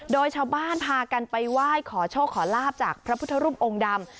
โดยชาวบ้านพากันไปไหว้ขอโชคขอลาบจากพระพุทธรูปองค์ดำ